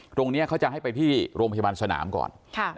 ตรงนี้เขาจะให้ไปที่โรงพยาบาลสนามก่อน